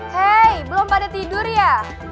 hei belum pada tidur ya